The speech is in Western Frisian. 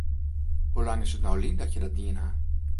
Hoe lang is it no lyn dat je dat dien ha?